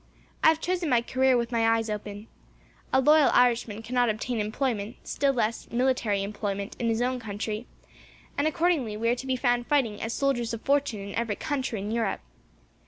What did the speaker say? I have chosen my career with my eyes open. A loyal Irishman cannot obtain employment, still less military employment, in his own country, and accordingly, we are to be found fighting as soldiers of fortune in every country in Europe.